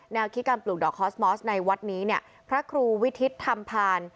แนวคิดการปลูกดอกคอสโมสในวัดนี้พระครูวิทธิธรรมภาร